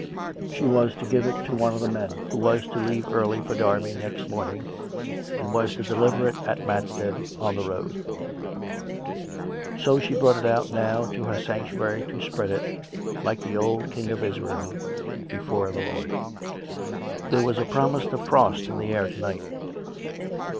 She was to give it to one of the men who was to leave early for Derby next morning and was to deliver it at Matstead on the road; so she brought it out now to her sanctuary to spread it, like the old King of Israel, before the Lord. ... There was a promise of frost in the air to night.